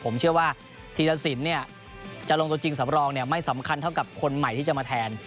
ผมเชื่อว่าธีรสินจะลงตัวจริงสำรองไม่สำคัญเท่ากับคนใหม่ที่จะมาแทน